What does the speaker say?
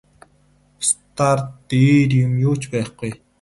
Бусдаар дээр юм юу ч байхгүй.